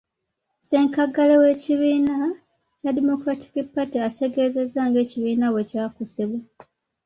Ssenkaggale w’ekibiina ki Democratic Party, ategeezezza ng'ekibiina bwe kyakosebwa.